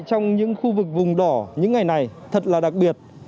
trong những khu vực vùng đỏ những ngày này thật là đặc biệt